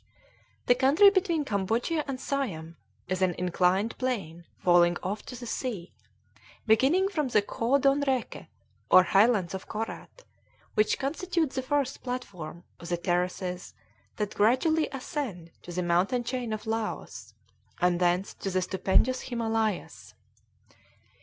The country between Cambodia and Siam is an inclined plane falling off to the sea, beginning from the Khoa Don Rèke, or highlands of Korat, which constitutes the first platform of the terraces that gradually ascend to the mountain chain of Laos, and thence to the stupendous Himalayas.